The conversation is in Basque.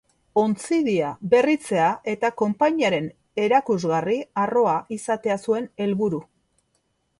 Ontzidia berritzea eta konpainiaren erakusgarri harroa izatea zuen helburu.